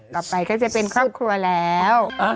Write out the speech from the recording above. กลับไปก็จะเป็นครอบครัวแล้ว